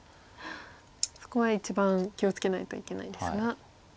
そこは一番気を付けないといけないですが。